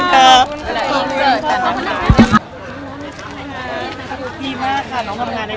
เราก็รูปหัวที่แสดงว่าห่วง